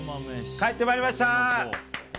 帰ってまいりました。